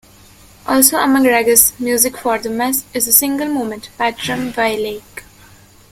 Also among Regis' music for the mass is a single movement, "Patrem Vilayge".